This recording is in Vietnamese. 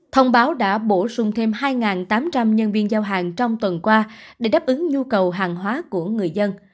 thông báo đã bổ sung thêm hai tám trăm linh nhân viên giao hàng trong tuần qua để đáp ứng nhu cầu hàng hóa của người dân